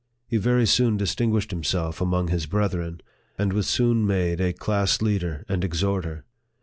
He very soon distinguished himself among his brethren, and was soon made a class leader and exhorter.